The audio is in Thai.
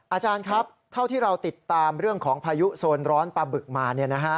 อาจารย์ครับเท่าที่เราติดตามเรื่องของพายุโซนร้อนปลาบึกมา